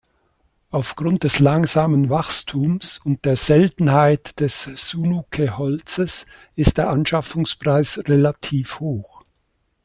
Aufgrund des langsamen Wachstums und der Seltenheit des Sunuke-Holzes ist der Anschaffungspreis relativ hoch.